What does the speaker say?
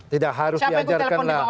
tidak harus diajarkan lah